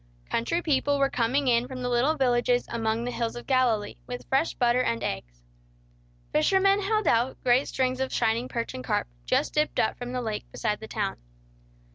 Country people were coming in from the little villages among the hills of Galilee, with fresh butter and eggs. Fishermen held out great strings of shining perch and carp, just dipped up from the lake beside the town.